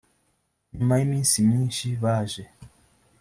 nyuma y iminsi myinshi baje